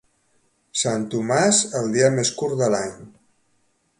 Sant Tomàs, el dia més curt de l'any.